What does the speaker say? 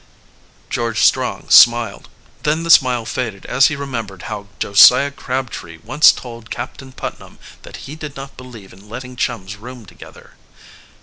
George Strong smiled. Then the smile faded as he remembered how Josiah Crabtree once told Captain Putnam that he did not believe in letting chums room together.